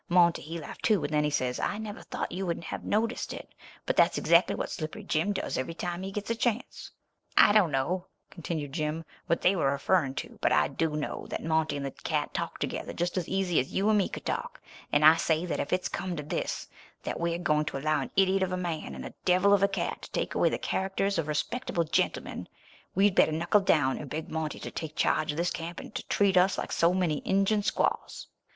Monty, he laughed too; and then he says, 'I never thought you would have noticed it, but that's exactly what Slippery Jim does every time he gets a chance.' "I don't know," continued Jim, "what they were referring to, but I do know that Monty and the cat talk together just as easy as you and me could talk, and I say that if it's come to this, that we're going to allow an idiot of a man and a devil of a cat to take away the characters of respectable gentlemen, we'd better knuckle down and beg Monty to take charge of this camp and to treat us like so many Injun squaws."